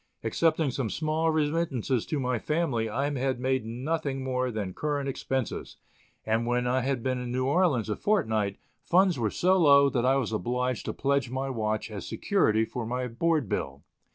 Excepting some small remittances to my family I had made nothing more than current expenses; and, when I had been in New Orleans a fortnight, funds were so low that I was obliged to pledge my watch as security for my board bill.